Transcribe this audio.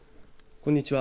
こんにちは。